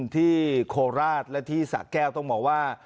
โคราชและที่สะแก้วต้องบอกว่า